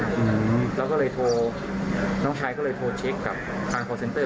อืมแล้วก็เลยโทรน้องชายก็เลยโทรเช็คกับทางคอร์เซ็นเตอร์